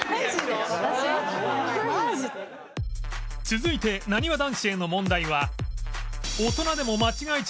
続いてなにわ男子への問題は